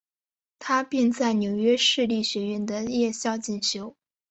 他并在纽约市立学院的夜校进修。